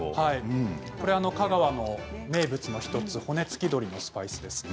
これは香川の名物の１つ骨付き鶏のスパイスです。